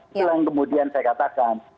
itulah yang kemudian saya katakan